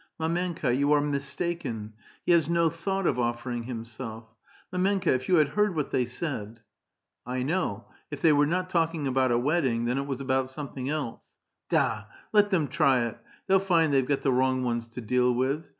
" Mdmenka^ you are mistaken. He has no thought of offering himself. Mdmenka^ if you had heard what they said !"'^ 1 know. If iney were not talking about a wedding, then it was about something else. Da ! let 'em try it ; they'll find they've got the wrong ones to deal wilh.